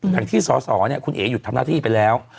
ที่สสเนี่ยคุณเอ๋หยุดทำหน้าที่ไปแล้ว